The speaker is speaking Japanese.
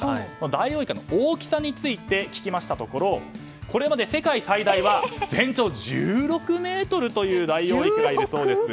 ダイオウイカの大きさについて聞きましたところこれまで世界最大は全長１６ｍというダイオウイカがいるそうです。